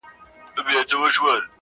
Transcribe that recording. پلونو د تڼاکو مي بیابان راسره وژړل؛